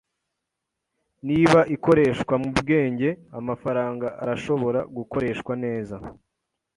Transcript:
Niba ikoreshwa mubwenge, amafaranga arashobora gukoreshwa neza.